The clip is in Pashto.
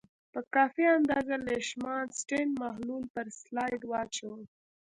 په کافي اندازه لیشمان سټین محلول پر سلایډ واچوئ.